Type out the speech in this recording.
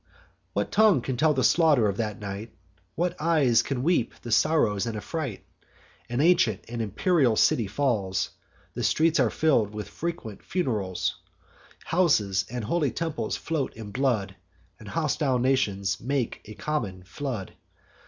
What tongue can tell the slaughter of that night? What eyes can weep the sorrows and affright? An ancient and imperial city falls: The streets are fill'd with frequent funerals; Houses and holy temples float in blood, And hostile nations make a common flood.